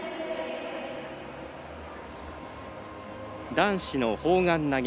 男子の砲丸投げ。